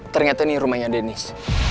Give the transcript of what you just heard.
ternyata ini rumahnya dennis